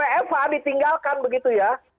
apa awf a ditinggalkan begitu ya